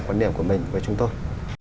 quả niệm của mình với chúng tôi